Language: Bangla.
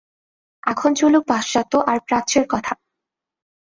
এখন চলুক পাশ্চাত্য আর প্রাচ্যের কথা।